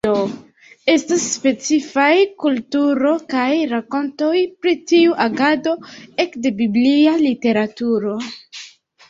Estas specifaj kulturo kaj rakontoj pri tiu agado ekde biblia literaturo.